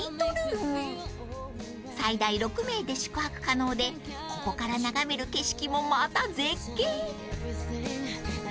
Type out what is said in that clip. ［最大６名で宿泊可能でここから眺める景色もまた絶景］